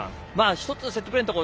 セットプレーのところ